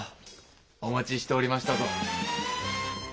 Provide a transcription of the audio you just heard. お待ちしておりましたぞ。